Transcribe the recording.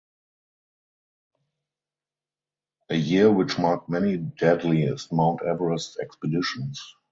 A year which marked many deadliest Mount Everest expeditions.